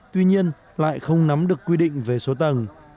tuy nhiên lại không nắm được quy định về số tầng